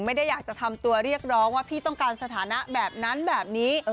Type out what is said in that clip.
ไม่ได้อยากจะทำตัวเรียกร้องว่าพี่ต้องการสถานะแบบนั้นแบบนี้